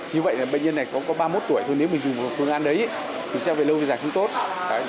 như vậy là bệnh nhân này có ba mươi một tuổi thôi nếu mình dùng phương án đấy thì sẽ về lâu dài không tốt